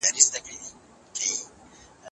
که باران وسي، نو کروندګر به حاصل بازار ته راوړي.